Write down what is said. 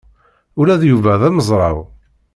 Ula d Yuba d amezraw.